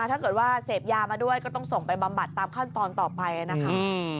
ถ้าเกิดว่าเสพยามาด้วยก็ต้องส่งไปบำบัดตามขั้นตอนต่อไปนะคะ